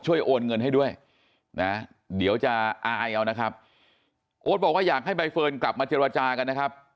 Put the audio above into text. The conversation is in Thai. โอนเงินให้ด้วยนะเดี๋ยวจะอายเอานะครับโอ๊ตบอกว่าอยากให้ใบเฟิร์นกลับมาเจรจากันนะครับ